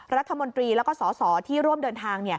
รัฐมนตรีแล้วก็สสที่ร่วมเดินทาง